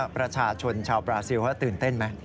ประชาชนชาวบราซิลเขาตื่นเต้นไหม